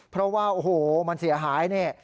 เพราะว่าโอ้โหมันเสียหายนี่